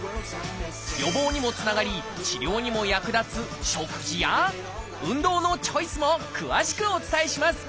予防にもつながり治療にも役立つ食事や運動のチョイスも詳しくお伝えします。